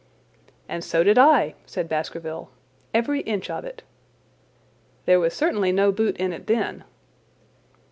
"And so did I," said Baskerville. "Every inch of it." "There was certainly no boot in it then."